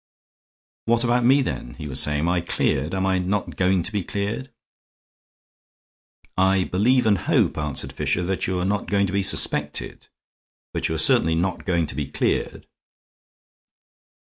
"What about me, then?" he was saying. "Am I cleared? Am I not going to be cleared?" "I believe and hope," answered Fisher, "that you are not going to be suspected. But you are certainly not going to be cleared.